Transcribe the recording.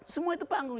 semua itu panggung